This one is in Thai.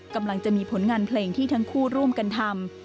กำลังจะมีผลงานเพลงที่ทั้งคู่ร่วมกันทำ